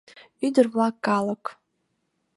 Ӱдыр-влак, калык.